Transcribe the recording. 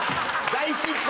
大失敗。